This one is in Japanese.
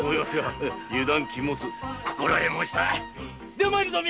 では参るぞ。